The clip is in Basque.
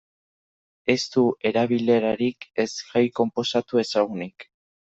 Ez du erabilerarik ez gai konposatu ezagunik.